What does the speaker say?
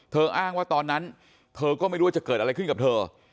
อ้างว่าตอนนั้นเธอก็ไม่รู้ว่าจะเกิดอะไรขึ้นกับเธอ